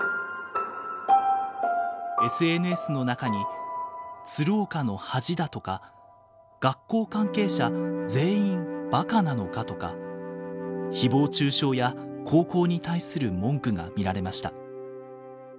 ＳＮＳの中に「鶴岡の恥だ」とか「学校関係者全員馬鹿なのか？」とかひぼう中傷や高校に対する文句が見られました。